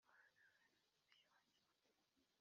Ruhango Intara y Amajyepfo